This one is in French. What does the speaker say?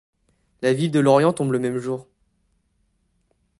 La ville de Lorient tombe le même jour.